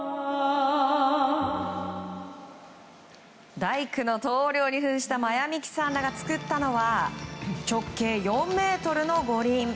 大工の棟梁に扮した真矢ミキさんらが作ったのは、直径４ｍの五輪。